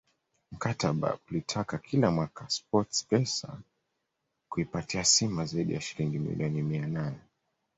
Mkataba uliitaka kila mwaka Sports pesa kuipatia Simba zaidi ya shilingi milioni mia nane